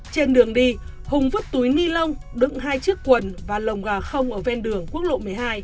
trên đường đi hùng vứt túi ni lông đựng hai chiếc quần và lồng gà không ở ven đường quốc lộ một mươi hai